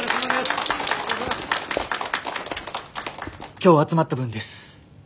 今日集まった分です。